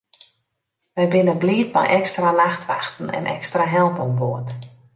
Wy binne bliid mei ekstra nachtwachten en ekstra help oan board.